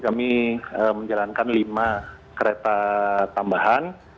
kami menjalankan lima kereta tambahan